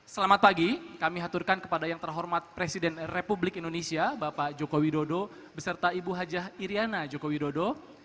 selamat pagi kami aturkan kepada yang terhormat presiden republik indonesia bapak joko widodo beserta ibu hajah iryana joko widodo